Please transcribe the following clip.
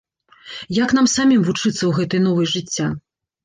Як нам самім вучыцца ў гэтай новай жыцця?